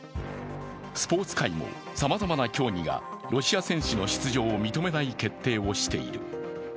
スポーツ界もさまざまな競技がロシア選手の出場を認めない決定をしている。